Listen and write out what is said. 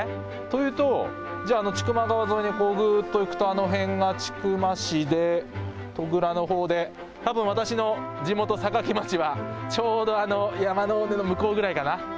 というと千曲川沿いにぐっと行くとあの辺が千曲市で戸倉のほうで多分、私の地元坂城町はちょうどあの山の奥の向こうぐらいかな。